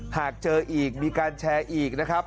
หากเจออีกมีการแชร์อีกนะครับ